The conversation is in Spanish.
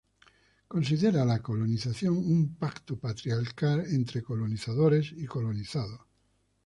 Considera a la colonización un pacto patriarcal entre colonizadores y colonizados.